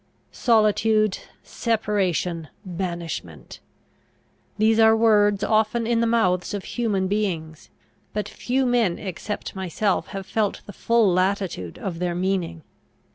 Solitude, separation, banishment! These are words often in the mouths of human beings; but few men except myself have felt the full latitude of their meaning.